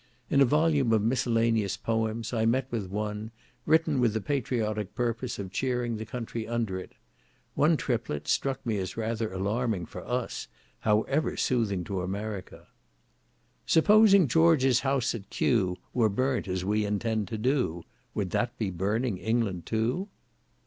In a volume of miscellaneous poems I met with one, written with the patriotic purpose of cheering the country under it; one triplet struck me as rather alarming for us, however soothing to America. "Supposing George's house at Kew Were burnt, as we intend to do, Would that be burning England too?"